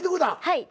はい。